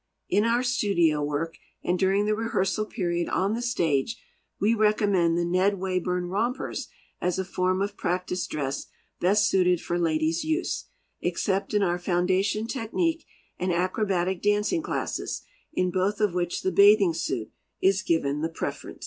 In our studio work and during the rehearsal period on the stage we recommend the Ned Wayburn rompers as a form of practice dress best suited for ladies' use, except in our foundation technique and acrobatic dancing classes, in both of which the bathing suit is given the preference.